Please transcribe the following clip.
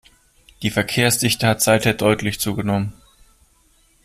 Die Verkehrsdichte hat seither deutlich zugenommen.